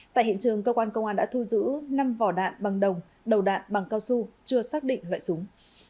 tại hiện trường cơ quan công an đã thu giữ năm vỏ đạn bằng đồng đầu đạn bằng cao su chưa xác định loại súng